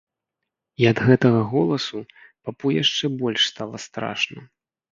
І ад гэтага голасу папу яшчэ больш стала страшна.